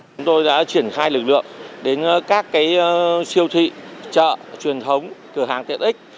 chúng tôi đã chuyển khai lực lượng đến các cái siêu thị chợ truyền thống cửa hàng tiện ích